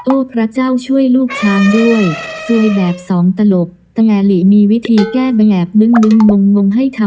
โอ้พระเจ้าช่วยลูกช้างด้วยซวยแบบสองตลก